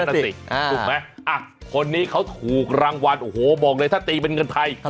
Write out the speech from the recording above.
นั่นสิถูกไหมคนนี้เขาถูกรางวัลโอ้โหบอกเลยถ้าตีเป็นเงินไทย